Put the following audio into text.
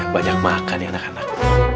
banyak makan ya anak anak